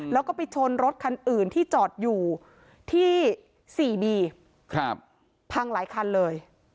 แล้วก็ไปชนรถคันอื่นที่จอดอยู่ที่สี่บีพังหลายคันเลย